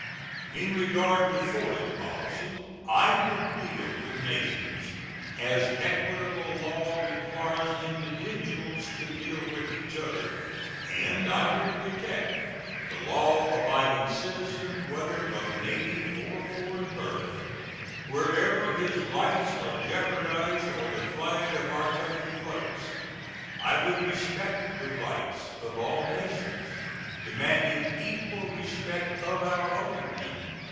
In regard to foreign policy, I would deal with nations as equitable law requires individuals to deal with each other, and I would protect the law abiding citizen, whether of native or foreign birth, wherever his rights are jeopardized or the flag of our country floats. I would respect the rights of all nations, demanding equal respect for our own.